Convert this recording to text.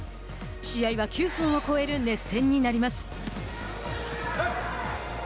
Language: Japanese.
試合は９分を超える熱戦になります。